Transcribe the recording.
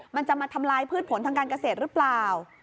มันจะมาทำลายพืชผลทางการเกษตรหรือเปล่า